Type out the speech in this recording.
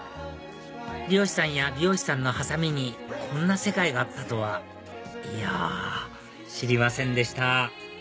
理容師さんや美容師さんのハサミにこんな世界があったとはいや知りませんでした